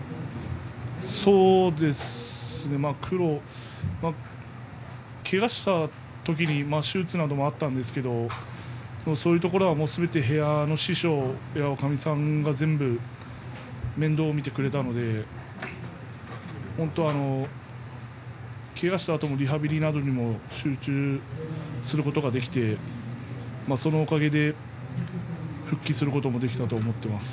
まあ、苦労けがをした時に手術などもあったんですがそういうところはすべて部屋の師匠やおかみさんがすべて面倒を見てくれたので本当にけがしたあともリハビリなんかにも集中することができてそのおかげで復帰することもできたと思います。